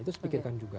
itu pikirkan juga